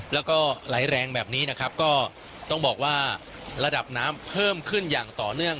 แล้วก็ไหลแรงแบบนี้นะครับก็ต้องบอกว่าระดับน้ำเพิ่มขึ้นอย่างต่อเนื่อง